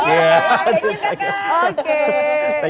thank you kakak